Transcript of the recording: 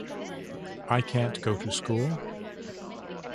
I can’t go to school.